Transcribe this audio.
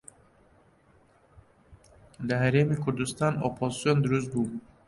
لە هەرێمی کوردستان ئۆپۆزسیۆن دروست بوو